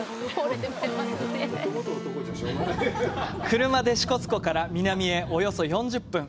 車で支笏湖から南へおよそ４０分。